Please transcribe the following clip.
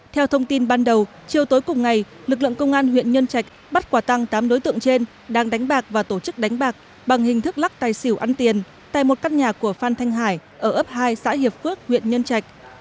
theo thông tin ban đầu chiều tối cùng ngày lực lượng công an huyện nhân trạch bắt quả tăng tám đối tượng trên đang đánh bạc và tổ chức đánh bạc bằng hình thức lắc tài xỉu ăn tiền tại một căn nhà của phan thanh hải ở ấp hai xã hiệp phước huyện nhân trạch